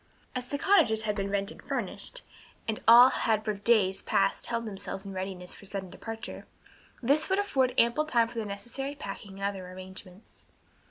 As the cottages had been rented furnished, and all had for days past held themselves in readiness for sudden departure, this would afford ample time for the necessary packing and other arrangements.